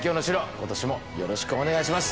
今年もよろしくお願いします。